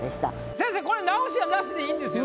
先生これは直しはなしでいいんですよね？